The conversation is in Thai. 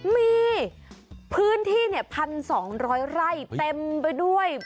มีพื้นที่๑๒๐๐ไร่เต็มไปด้วย